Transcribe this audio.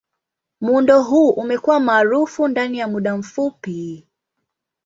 Muundo huu umekuwa maarufu ndani ya muda mfupi.